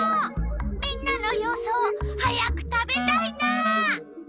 みんなの予想早く食べたいな。